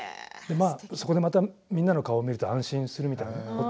そこで、またみんなの顔を見ると安心するみたいな。